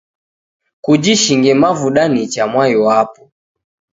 Kujishinge mavuda nicha mwai wapo